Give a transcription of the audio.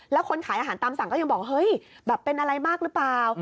แล้วคนขายอาหารตามสั่งก็ยังบอกเฮ้ยแบบเป็นอะไรมากหรือเปล่า